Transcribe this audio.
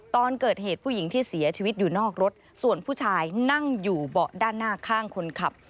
ตอนเกิดเหตุผู้หญิงที่เสียชีวิตอยู่นอกรถส่วนผู้ชายนั่งอยู่เบาะด้านหน้าข้างคนขับ